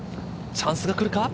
チャンスが来るか？